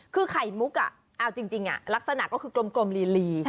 คือไข่มุกเอาจริงลักษณะก็คือกลมลี